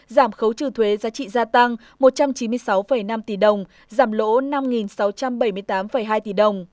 giảm khấu trừ thuế giá trị gia tăng một trăm chín mươi sáu năm tỷ đồng giảm lỗ năm sáu trăm bảy mươi tám hai tỷ đồng